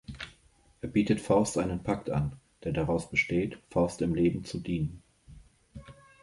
Er bietet Faust einen Pakt an, der daraus besteht, Faust im Leben zu dienen.